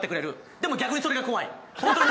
でも逆にそれが怖い。